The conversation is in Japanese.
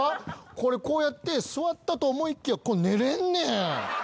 これこうやって座ったと思いきや寝れんねん。